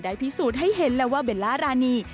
พิสูจน์ให้เห็นแล้วว่าเบลล่ารานี